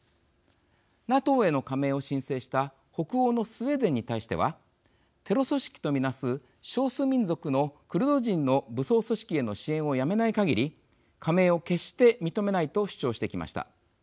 ＮＡＴＯへの加盟を申請した北欧のスウェーデンに対してはテロ組織と見なす少数民族のクルド人の武装組織への支援をやめないかぎり加盟を決して認めないと主張してきました。